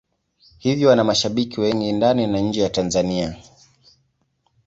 Hivyo ana mashabiki wengi ndani na nje ya Tanzania.